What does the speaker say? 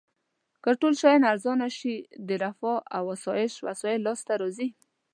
که ټول شیان ارزانه شي د رفاه او اسایش وسایل لاس ته راځي.